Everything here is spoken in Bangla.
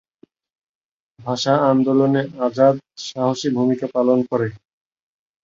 ভাষা আন্দোলনে আজাদ সাহসী ভূমিকা পালন করে।